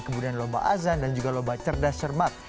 kemudian lomba azan dan juga lomba cerdas cermat